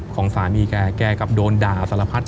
ของสามีแกกลับโดนด่าสารพัด